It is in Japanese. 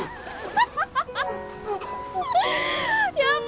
ハハハハ！